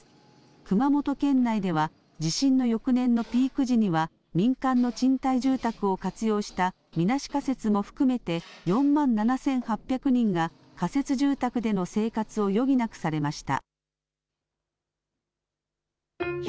熊本県内では地震の翌年のピーク時には、民間の賃貸住宅を活用したみなし仮設も含めて４万７８００人が仮設住宅での生活を余儀なくされました。